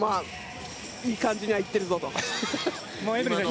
いい感じにはいっているぞと。